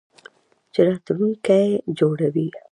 چې راتلونکی جوړوي.